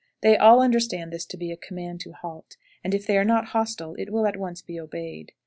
They all understand this to be a command to halt, and if they are not hostile it will at once be obeyed.